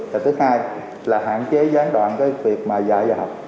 và thứ hai là hạn chế gián đoạn việc mà dạy giờ học